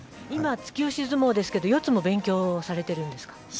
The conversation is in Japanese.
今、突き押し相撲ですが四つも勉強されているんですか？